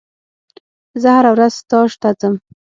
زه هره ورځ ستاژ ته ځم.